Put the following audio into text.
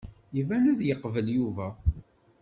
Iban ad yeqbel Yuba.